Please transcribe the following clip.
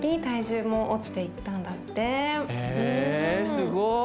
すごい。